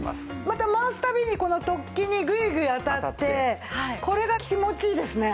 また回す度にこの突起にグイグイ当たってこれが気持ちいいですね。